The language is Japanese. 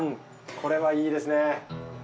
これはいいですね。